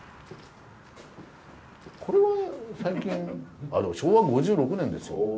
これは最近あでも昭和５６年ですよ。